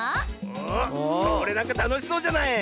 おそれなんかたのしそうじゃない？